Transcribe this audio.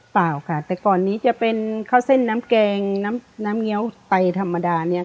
เปล่าค่ะแต่ก่อนนี้จะเป็นข้าวเส้นน้ำแกงน้ำน้ำเงี้ยวไตธรรมดาเนี่ย